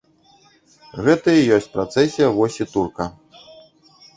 Гэта і ёсць прэцэсія восі турка.